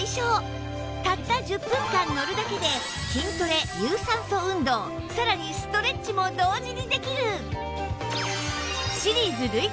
たった１０分間乗るだけで筋トレ有酸素運動さらにストレッチも同時にできる！